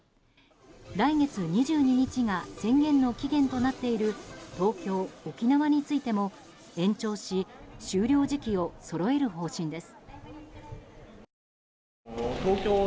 来月２２日が宣言の期限となっている東京、沖縄についても延長し終了時期をそろえる方針です。